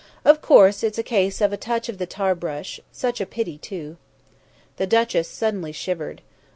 Of course it's a case of a touch of the tarbrush such a pity, too!" The duchess suddenly shivered.